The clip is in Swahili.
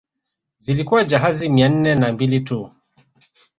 Zilikuwa jahazi mia nne na mbili tu